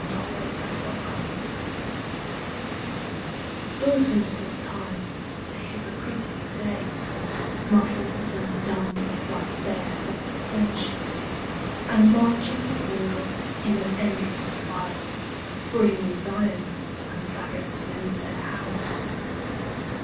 Ralph Waldo Emerson Days DAUGHTERS of Time, the hypocritic Days, Muffled and dumb like barefoot dervishes, And marching single in an endless file, Bring diadems and faggots in their hands.